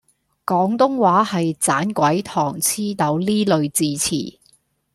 廣東話係盞鬼糖黐豆呢類字詞